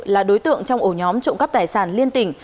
là đối tượng trong ổ nhóm trộm cắp tài sản liên tỉnh